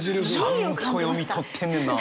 ちゃんと読み取ってんねんな！